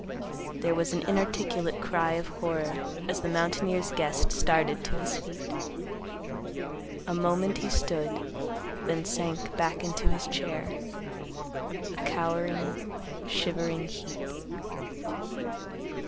There was an inarticulate cry of horror, as the mountaineer's guest started to his feet. A moment he stood, then sank back into his chair, a cowering, shivering heap.